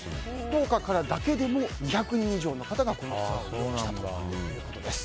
福岡からだけでも２００人以上の方がこのツアーに参加したということです。